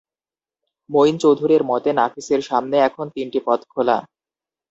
মঈন চৌধুরীর মতে, নাফিসের সামনে এখন তিনটি পথ খোলা।